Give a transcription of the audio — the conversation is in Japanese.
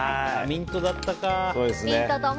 ミントだったか。